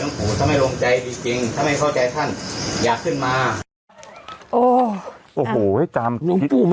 ลงปูถ้าไม่ลงใจอีกจริงถ้าไม่เข้าใจท่านอย่าขึ้นมา